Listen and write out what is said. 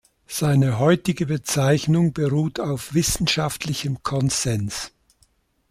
Seine heutige Bezeichnung beruht auf wissenschaftlichem Konsens.